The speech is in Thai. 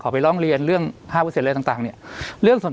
ขอไปร้องเรียนเรื่องห้าเปอร์เซ็นต์อะไรต่างเนี้ยเรื่องส่วน